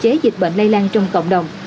chế dịch bệnh lây lan trong cộng đồng